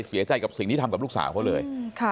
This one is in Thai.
เสียใจกับสิ่งที่ทำกับลูกสาวเขาเลย